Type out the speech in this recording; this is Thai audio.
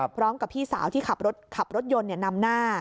พี่สาวที่ขับรถยนต์นำหน้า